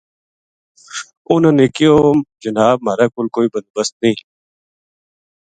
اِنھاں نے کہیو جناب مھارے کول کوئی بندوبست نیہہ